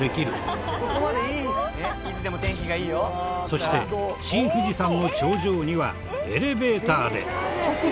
そして新富士山の頂上にはエレベーターで。